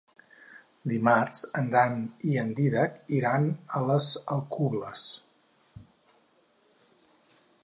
Dimarts en Dan i en Dídac iran a les Alcubles.